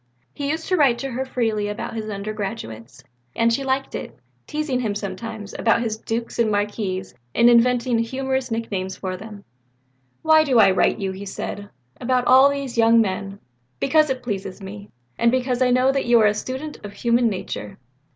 He used to write to her very freely about his undergraduates; and she liked it teasing him sometimes about his dukes and marquises and inventing humorous nicknames for them. "Why do I write to you," he said, "about all these young men? Because it pleases me, and because I know that you are a student of human nature."